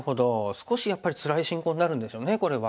少しやっぱりつらい進行になるんですよねこれは。